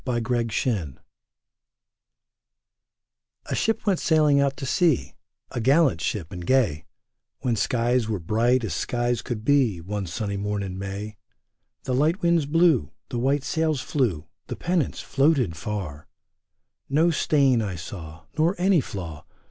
OUT AND IN A SHIP went sailing out to sea, A gallant ship and gay, When skies were bright as skies could be. One sunny morn in May. The light winds blew, The white sails flew, The pennants floated far ; No stain I saw. Nor any flaw.